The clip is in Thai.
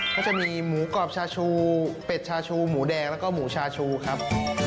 ก็จะมีหมูกรอบชาชูเป็ดชาชูหมูแดงแล้วก็หมูชาชูครับ